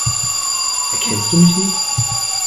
Erkennst du mich nicht?